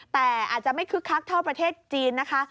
แต่อาจจะไม่คึกคักเท่าประเทศจีนนะคะ